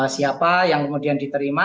siapa yang kemudian diterima